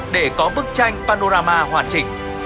để có bức tranh panorama hoàn chỉnh